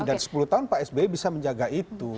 dan sepuluh tahun pak sby bisa menjaga itu